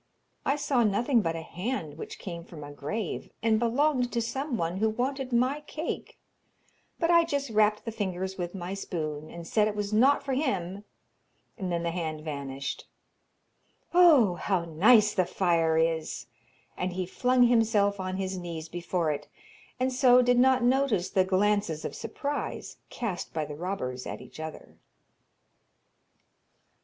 'I saw nothing but a hand which came from a grave, and belonged to someone who wanted my cake, but I just rapped the fingers with my spoon, and said it was not for him, and then the hand vanished. Oh, how nice the fire is!' And he flung himself on his knees before it, and so did not notice the glances of surprise cast by the robbers at each other.